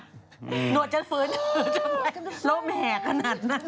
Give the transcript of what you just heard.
หนวดจะฟื้นร่มแห่ขนาดนั้น